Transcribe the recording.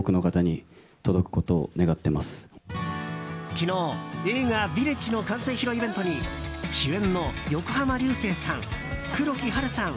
昨日、映画「ヴィレッジ」の完成披露イベントに主演の横浜流星さん、黒木華さん